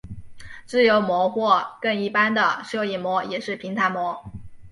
自由模或更一般的射影模也是平坦模。